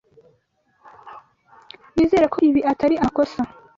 Nizere ko ibi atari amakosa.